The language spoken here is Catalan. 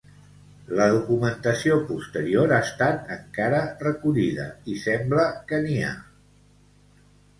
La documentació posterior ha estat encara recollida i sembla que n'hi ha.